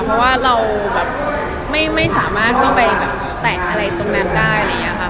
เพราะว่าเราแบบไม่สามารถเข้าไปแบบแตะอะไรตรงนั้นได้